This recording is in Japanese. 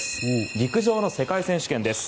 陸上の世界選手権です。